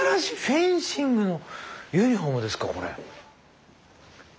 フェンシングのユニフォームですかこれ。